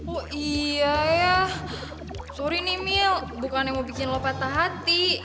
oh iya ya sorry nih mil bukan yang mau bikin lo patah hati